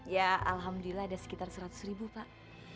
ya alhamdulillah ada sekitar seratus ribu pak